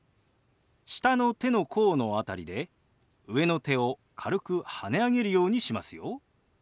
下の手の甲の辺りで上の手を軽くはね上げるようにしますよ。